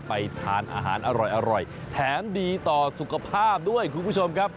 ไปทานอาหารอร่อยแถมดีต่อสุขภาพด้วยคุณผู้ชมครับ